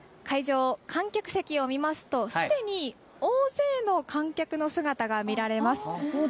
会場、観客席を見ますと、すでに大勢の観客の姿が見られます。